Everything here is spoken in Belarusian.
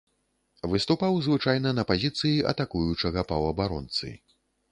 Выступаў звычайна на пазіцыі атакуючага паўабаронцы.